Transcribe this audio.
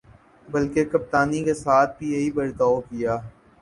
بلکہ کپتانی کے ساتھ بھی یہی برتاؤ کیا۔